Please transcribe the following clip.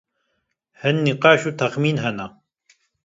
hin nîqaş û texmîn hene.